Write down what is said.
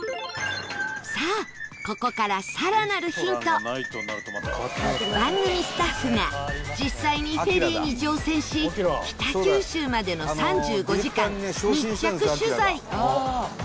さあ、ここから更なるヒント番組スタッフが実際にフェリーに乗船し北九州までの３５時間密着取材